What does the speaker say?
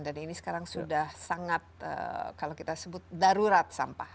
dan ini sekarang sudah sangat kalau kita sebut darurat sampah